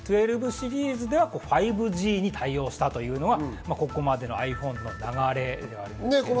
１２シリーズでは５Ｇに対応したというのはここまでのｉＰｈｏｎｅの流れです。